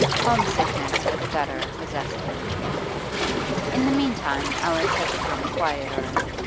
Home sickness for the gutter possessed him. In the meantime Alice had become quieter.